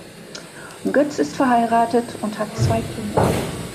Götz ist verheiratet und hat zwei Kinder.